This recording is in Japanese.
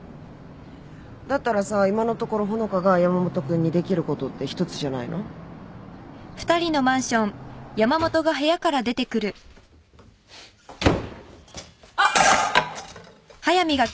だったらさ今のところ穂香が山本君にできることって１つじゃないの？・・あっ。